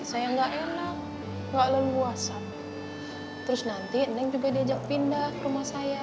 terus nanti neng juga diajak pindah ke rumah saya